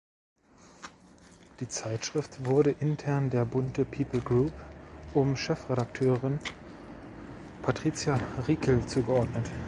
Die Zeitschrift wurde intern der "Bunte People Group" um Chefredakteurin Patricia Riekel zugeordnet.